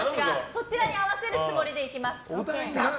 そちらに合わせるつもりでいきます。